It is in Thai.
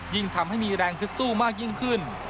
ยิ่งทำให้มีแรงฮึดสู้มากยิ่งขึ้น